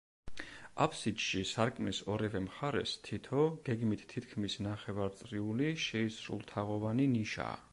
აფსიდში, სარკმლის ორივე მხარეს, თითო, გეგმით თითქმის ნახევარწრიული, შეისრულთაღოვანი ნიშაა.